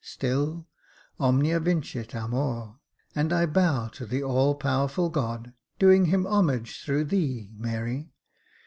Still, omnia vincit amor, and I bow to the all powerful god, doing him homage through thee, Mary.